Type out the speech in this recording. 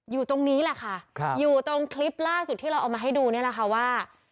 อยู่ตรงนี้แหละค่ะอยู่ตรงคลิปล่าสุดที่เราเอามาให้ดูนี่แหละค่ะว่า